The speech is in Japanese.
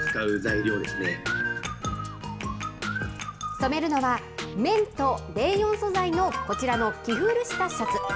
染めるのは、綿とレーヨン素材のこちらの着古したシャツ。